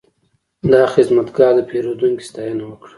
دا خدمتګر د پیرودونکي ستاینه وکړه.